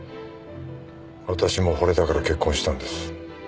私も惚れたから結婚したんです。